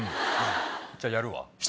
じゃあやるわ。